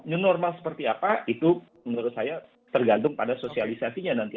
new normal seperti apa itu menurut saya tergantung pada sosialisasinya nanti